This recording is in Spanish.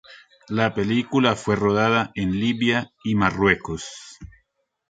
La película fue rodada en Libia y Marruecos.